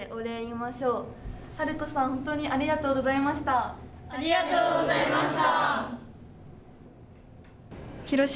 春子さん、ありがとうございました。